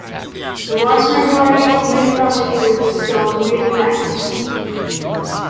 The vast majority of male prostitutes serve male clients.